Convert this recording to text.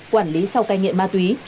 quản lý sau cai nghiện ma túy